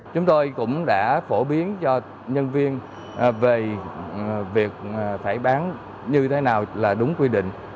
chúng tôi cũng đã phổ biến cho nhân viên về việc phải bán như thế nào là đúng quy định